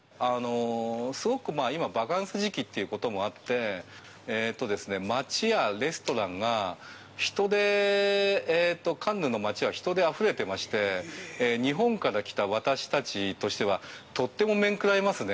すごく今、バカンス時期ということもあって、街やレストランが人で、カンヌの街は人であふれてまして、日本から来た私たちとしては、とってもめんくらいますね。